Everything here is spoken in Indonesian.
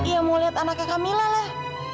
ya mau lihat anaknya kamila lah